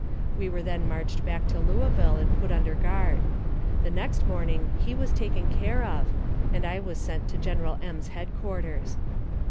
We were then marched back to Louisville and put under guard. The next morning he was taken care of, and I was sent to General M.'s headquarters.